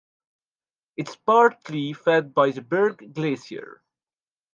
It is partly fed by the Berg Glacier.